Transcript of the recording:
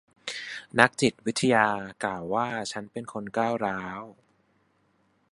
นักจิตวิทยากล่าวว่าฉันเป็นคนก้าวร้าว